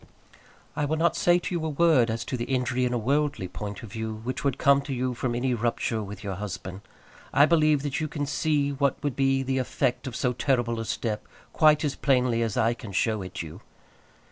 I will not say to you a word as to the injury in a worldly point of view which would come to you from any rupture with your husband. I believe that you can see what would be the effect of so terrible a step quite as plainly as I can show it you.